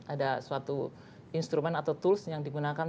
ada suatu instrumen atau tools yang digunakan